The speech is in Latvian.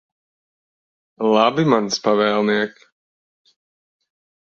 Labi, mans pavēlniek.